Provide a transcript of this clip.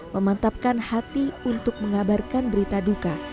memantapkan hati untuk mengabarkan berita duka